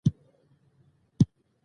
په توره شپه کې توره ساتل ښه خبره ده